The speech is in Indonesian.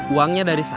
uangnya dari saya